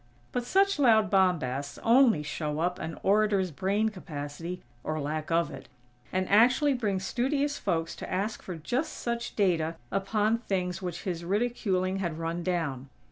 But such loud bombasts only show up an "orator's" brain capacity (or lack of it), and actually bring studious folks to ask for just such data upon things which his ridiculing had run down.